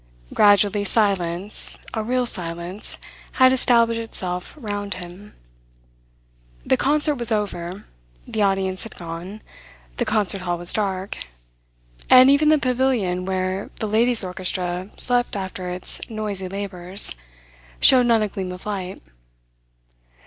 Gradually silence, a real silence, had established itself round him. The concert was over; the audience had gone; the concert hall was dark; and even the Pavilion, where the ladies' orchestra slept after its noisy labours, showed not a gleam of light.